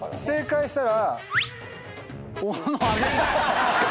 正解したら。